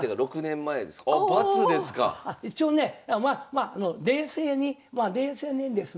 一応ねまあまあ冷静にまあ冷静にですね